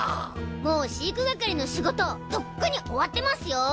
もう飼育係の仕事とっくに終わってますよ！